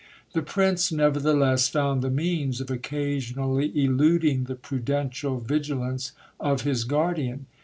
The prince nevertheless found the means of occasionally eluding the prudential vigilance of his guardian.